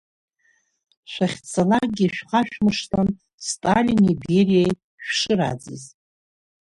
Шәахьцалакгьы ишәхашәмыршҭлан Сталини Бериеи шәшырааӡаз…